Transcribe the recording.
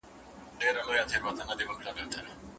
په قرآني منهجونو او لارښوونو کي نجات، راحت او اطمئنان سته؟